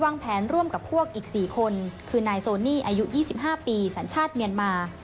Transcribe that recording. นายอายุ๒๕ปีสัญชาติเมียนมา